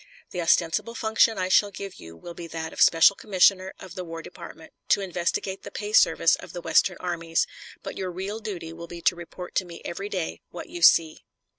"The ostensible function I shall give you will be that of special commissioner of the War Department to investigate the pay service of the Western armies, but your real duty will be to report to me every day what you see."